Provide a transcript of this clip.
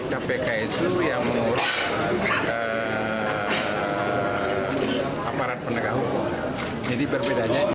kpk itu yang menguruskan aparat penegak hukum